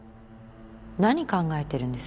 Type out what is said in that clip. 何考えてるんです？